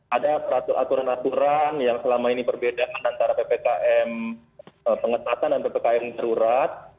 ada peraturan aturan yang selama ini perbedaan antara ppkm pengetatan dan ppkm darurat